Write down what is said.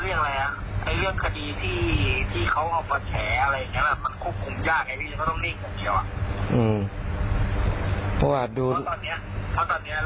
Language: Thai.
เรื่องคดีที่เขาเอามาแชร์อะไรอย่างนี้มันควบคุมยากให้พี่มันต้องนิ่งกันเกี่ยวะ